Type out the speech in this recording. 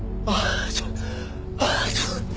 ああ！